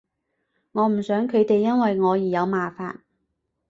我唔想佢哋因為我而有麻煩